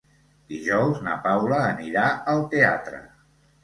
Dijous na Paula anirà al teatre.